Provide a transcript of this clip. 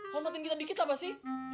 hormatin kita dikit apa sih